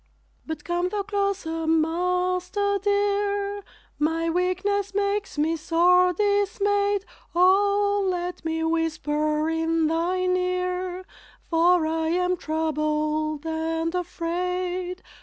But come thou closer, Master dear, My weakness makes me sore dismayed, O, let me whisper in thine ear, For I am troubled and afraid.